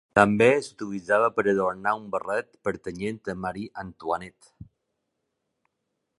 També s'utilitzava per adornar un barret pertanyent a Marie Antoinette.